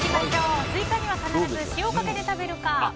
スイカには必ず塩をかけて食べるか。